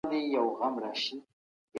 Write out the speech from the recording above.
د خاوند حق پر فرض کفايي باندي مخکي دی.